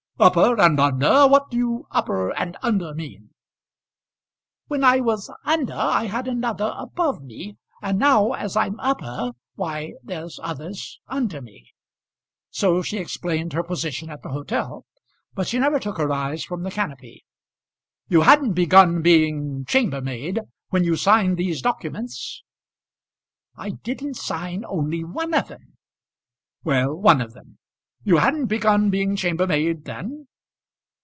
"Upper and under! What do upper and under mean?" "When I was under, I had another above me; and now, as I'm upper, why there's others under me." So she explained her position at the hotel, but she never took her eyes from the canopy. "You hadn't begun being chambermaid, when you signed these documents?" "I didn't sign only one of 'em." "Well, one of them. You hadn't begun being chambermaid then?"